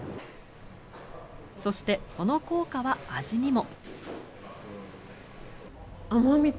そして、その効果は味にも。